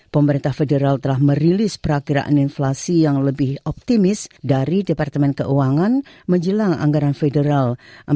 pemerintah federal telah merilis perakiraan inflasi yang lebih optimis dari departemen keuangan menjelang anggaran federal